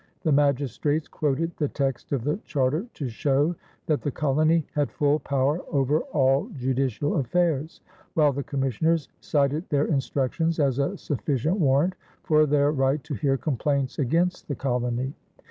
The magistrates quoted the text of the charter to show that the colony had full power over all judicial affairs, while the commissioners cited their instructions as a sufficient warrant for their right to hear complaints against the colony.